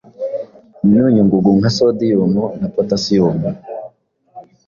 imyunyungugu nka sodium na potassium,